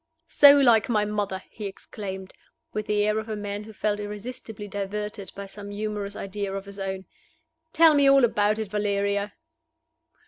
"So like my mother!" he exclaimed, with the air of a man who felt irresistibly diverted by some humorous idea of his own. "Tell me all about it, Valeria!"